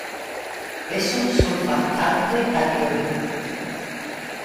Es un surfactante catiónico.